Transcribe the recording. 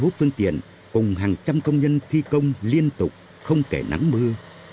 một số phương tiện cùng hàng trăm công nhân thi công liên tục không kể nắng mưa